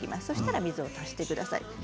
そうしたら水を足してください。